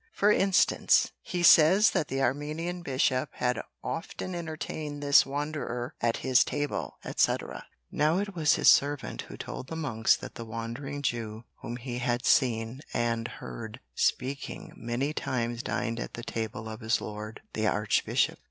For instance he says that the Armenian bishop had "often entertained this wanderer at his table" &c. Now it was his servant who told the monks that the wandering Jew whom he had seen and heard speaking many times dined at the table of his lord the Archbishop.